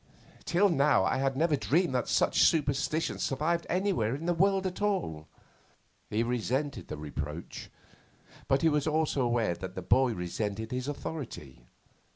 Till now I had never dreamed that such superstitions survived anywhere in the world at all.' He resented the reproach. But he was also aware that the boy resented his authority.